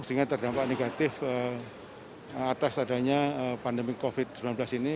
sehingga terdampak negatif atas adanya pandemi covid sembilan belas ini